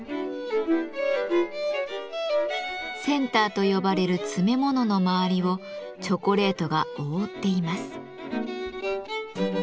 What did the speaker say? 「センター」と呼ばれる詰め物のまわりをチョコレートが覆っています。